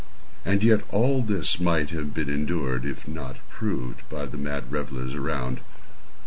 And yet all this might have been endured, if not approved, by the mad revellers around.